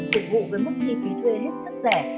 phục vụ với mức chi phí thuê hết sức rẻ